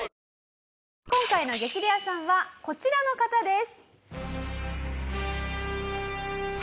今回の激レアさんはこちらの方です。